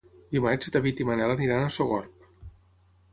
Dimarts en David i en Manel aniran a Sogorb.